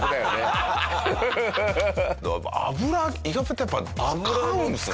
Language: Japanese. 油意外とやっぱ使うんですね。